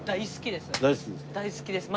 大好きです。